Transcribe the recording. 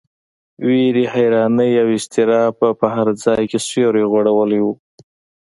وېرې، حیرانۍ او اضطراب په هر ځای کې سیوری غوړولی و.